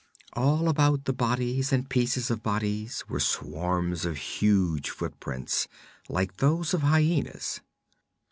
All about the bodies and pieces of bodies were swarms of huge footprints, like those of hyenas.